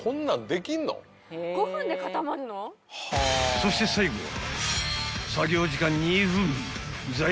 ［そして最後は］